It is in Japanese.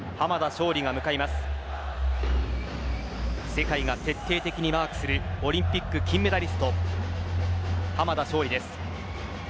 世界が徹底的にマークするオリンピック金メダリスト濱田尚里です。